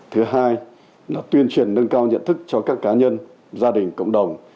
thứ hai là tuyên truyền nâng cao nhận thức cho các cá nhân gia đình cộng đồng